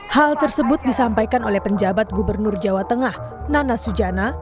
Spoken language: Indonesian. hal tersebut disampaikan oleh penjabat gubernur jawa tengah nana sujana